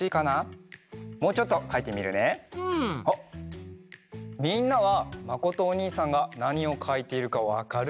おっみんなはまことおにいさんがなにをかいているかわかるかな？